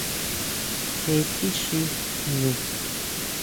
¿Jé tixí jnu?